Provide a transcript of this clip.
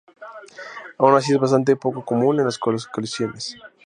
Aun así es bastante poco común en las colecciones.